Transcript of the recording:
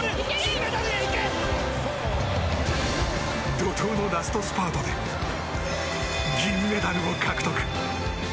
怒涛のラストスパートで銀メダルを獲得。